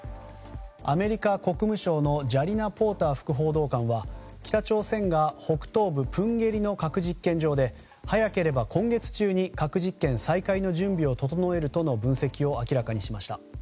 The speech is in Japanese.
アメリカ国務省のジャリナ・ポーター副報道官は北朝鮮が北東部プンゲリの核実験場で早ければ今月中に核実験再開の準備を整えるとの分析を明らかにしました。